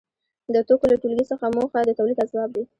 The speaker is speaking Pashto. د توکو له ټولګې څخه موخه د تولید اسباب دي.